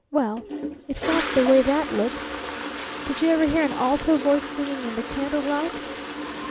Well, it felt the way that looks! Did you ever hear an alto voice singing in the candle light?